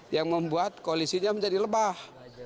yang membuat koalisinya menjadi lebah